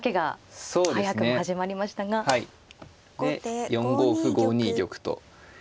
で４五歩５二玉と。